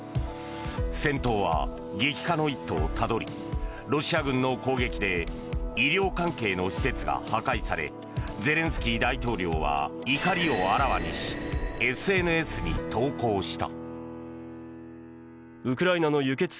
戦闘は激化の一途をたどりロシア軍の攻撃で医療関係の施設が破壊されゼレンスキー大統領は怒りをあらわにしＳＮＳに投稿した。